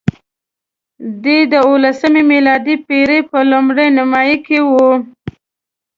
دی د اوولسمې میلادي پېړۍ په لومړۍ نیمایي کې وو.